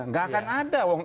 enggak akan ada